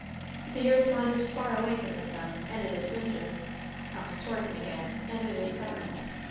The earth wanders far away from the sun, and it is winter comes toward him again, and it is summer.